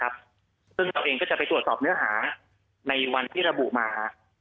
ซึ่งเราเองก็จะไปตรวจสอบเนื้อหาในวันที่ระบุมา